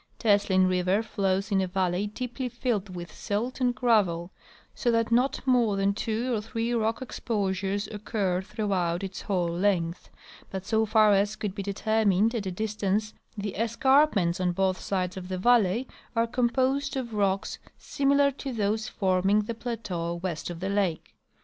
Teslin river flows in a valley deeply filled with silt and gravel, so that not more than two or three rock exposures occur through out its whole length ; but so far as could be determined at a dis tance the escarpments on both sides of the valley are composed of rocks similar to those forming the plateau west of the lake.